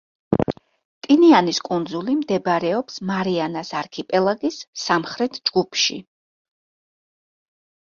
ტინიანის კუნძული მდებარეობს მარიანას არქიპელაგის სამხრეთ ჯგუფში.